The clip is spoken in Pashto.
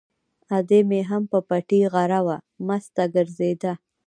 ادې مې هم په پټي غره وه، مسته ګرځېده.